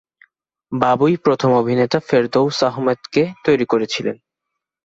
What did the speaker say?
বাবুই প্রথম অভিনেতা ফেরদৌস আহমেদ কে তৈরি করেছিলেন।